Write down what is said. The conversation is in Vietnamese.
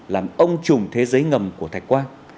làm ông trùng thế giới ngầm của thạch quang